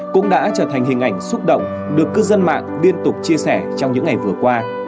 cũng đã trở thành hình ảnh xúc động được cư dân mạng liên tục chia sẻ trong những ngày vừa qua